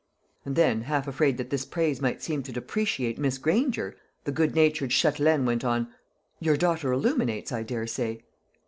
And then, half afraid that this praise might seem to depreciate Miss Granger, the good natured châtelaine went on, "Your daughter illuminates, I daresay?"